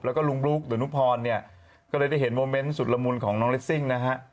แล้วก็ลุงบลุ๊กดนุพรเนี่ยก็เลยได้เห็นโมเมนต์สุดละมุนของน้องเรสซิ่งนะฮะ